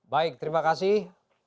baik terima kasih